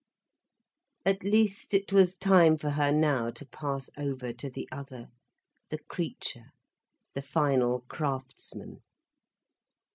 At least, it was time for her now to pass over to the other, the creature, the final craftsman.